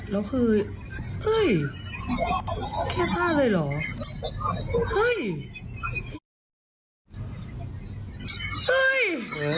แล้วคือเฮ้ยแค่บ้านเลยเหรอเฮ้ย